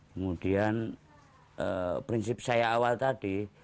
kemudian prinsip saya awal tadi